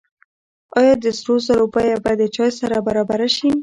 آیا د سرو زرو بیه به د چای سره برابره شي؟